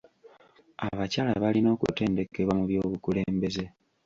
Abakyala balina okutendekebwa mu by'obukulembeze.